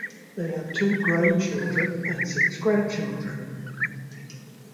They have two grown children and six grandchildren.